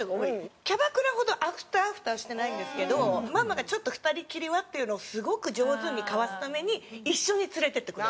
キャバクラほどアフターアフターしてないんですけどママがちょっと２人きりはっていうのをすごく上手にかわすために一緒に連れて行ってくれる。